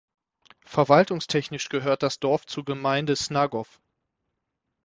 Verwaltungstechnisch gehört das Dorf zur Gemeinde Snagov.